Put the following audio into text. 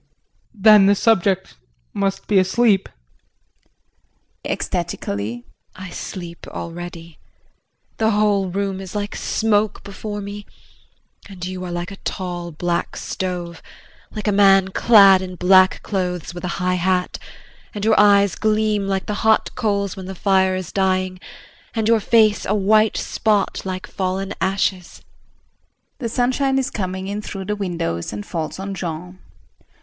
JEAN. Then the subject must be asleep! JULIE [Ecstatically]. I sleep already. The whole room is like smoke before me and you are like a tall black stove, like a man clad in black clothes with a high hat; and your eyes gleam like the hot coals when the fire is dying; and your face a white spot like fallen ashes. [The sunshine is coming in through the windows and falls on Jean.